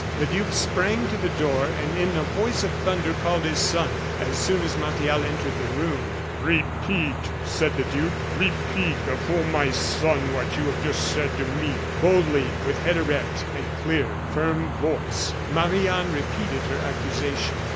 The duke sprang to the door, and, in a voice of thunder, called his son. As soon as Martial entered the room: "Repeat," said the duke "repeat before my son what you have just said to me." Boldly, with head erect, and clear, firm voice, Marie Anne repeated her accusation.